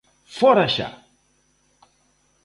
¡Fóra xa!